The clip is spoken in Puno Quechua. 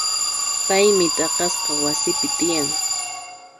Paymi t'aqasqa wasipi tiyan.